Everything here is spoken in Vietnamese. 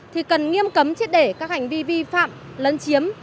thì cần nghiêm cấm triết để các hành vi vi phạm lấn chiếm